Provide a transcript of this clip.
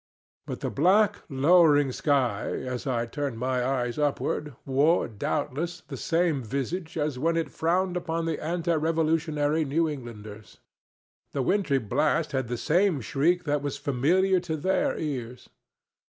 But the black, lowering sky, as I turned my eyes upward, wore, doubtless, the same visage as when it frowned upon the ante Revolutionary New Englanders. The wintry blast had the same shriek that was familiar to their ears.